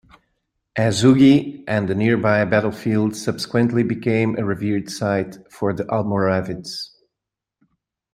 Azuggi and the nearby battlefield subsequently became a revered site for the Almoravids.